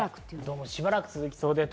しばらく続きそうです。